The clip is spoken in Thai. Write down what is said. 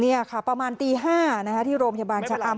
นี่ค่ะประมาณตี๕ที่โรงพยาบาลชะอำ